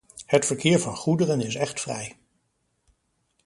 Het verkeer van goederen is echt vrij.